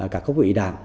các cấp ủy đảng